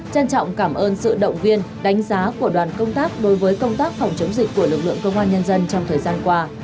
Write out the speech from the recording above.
tự động viên đánh giá của đoàn công tác đối với công tác phòng chống dịch của lực lượng công an nhân dân trong thời gian qua